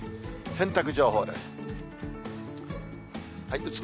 洗濯情報です。